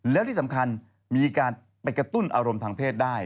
แล้วที่สำคัญมีการไปกระตุ้นอารมณ์ทางเพศได้